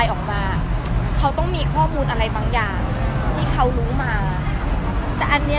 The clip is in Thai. ออกมาเขาต้องมีข้อมูลอะไรบางอย่างที่เขารู้มาแต่อันเนี้ย